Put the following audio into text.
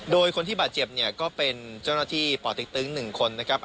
โดยคนที่บาดเจ็บเนี่ยก็เป็นเจ้าหน้าที่ป่อเต็กตึง๑คนนะครับ